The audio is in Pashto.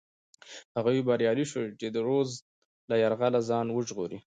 هغوی بریالي شول چې د رودز له یرغله ځان وژغوري.